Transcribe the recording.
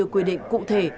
từ quy định cụ thể